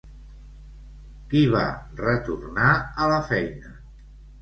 Qui va retornar a la feina?